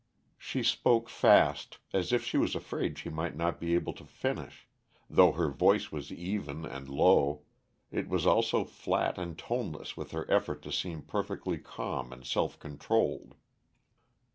She spoke fast, as if she was afraid she might not be able to finish, though her voice was even and low, it was also flat and toneless with her effort to seem perfectly calm and self controlled.